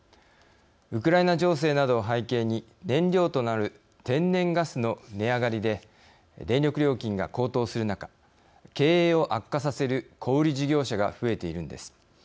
ウクライナ情勢などを背景に燃料となる天然ガスの値上がりで電力料金が高騰する中経営を悪化させる小売事業者が増えているのです。